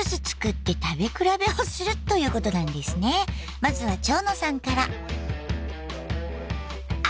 まずは蝶野さんから。